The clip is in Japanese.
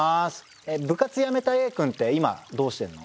部活やめたＡくんって今どうしてんの？